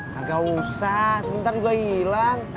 kagak usah sebentar juga hilang